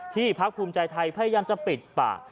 พักภูมิใจไทยพยายามจะปิดปาก